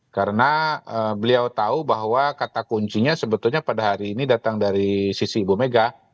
karena beliau tahu bahwa kata kuncinya sebetulnya pada hari ini datang dari sisi ibu mega